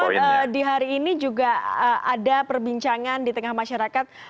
karena di hari ini juga ada perbincangan di tengah masyarakat